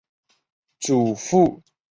祖父毛仁民。